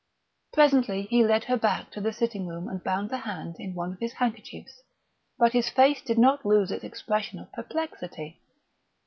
Presently he led her back to the sitting room and bound the hand in one of his handkerchiefs; but his face did not lose its expression of perplexity.